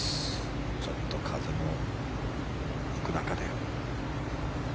ちょっと風も吹く中で。